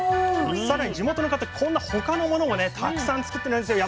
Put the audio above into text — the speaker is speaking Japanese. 更に地元の方こんな他のものもねたくさんつくってるんですよ